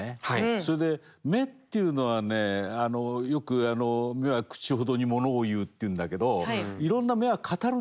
それで目っていうのはねよく「目は口ほどにものを言う」っていうんだけどいろんなうん。